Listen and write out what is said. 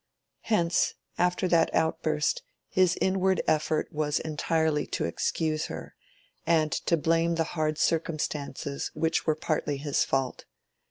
Hence, after that outburst, his inward effort was entirely to excuse her, and to blame the hard circumstances which were partly his fault.